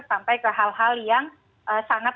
sampai ke hal hal yang sangat